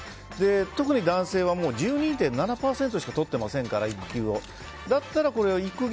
特に男性は１２．７％しか育休を取っていませんからだったら育業